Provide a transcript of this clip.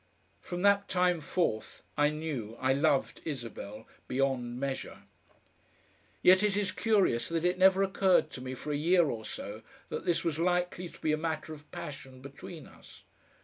From that time forth I knew I loved Isabel beyond measure. Yet it is curious that it never occurred to me for a year or so that this was likely to be a matter of passion between us.